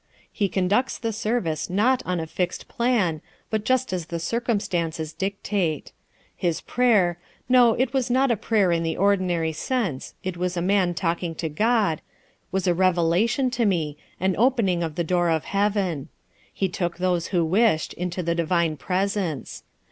He conducts the service not on a fixed plan, but just as the circumstances dictate. His prayer—no, it was not prayer in the ordinary sense, it was a man talking to God—was a revelation to me, an opening of the door of heaven. He took those who wished into the divine presence.